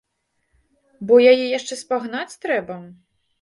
Бо яе яшчэ спагнаць трэба!